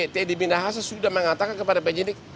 t d binahasa sudah mengatakan kepada pak jenik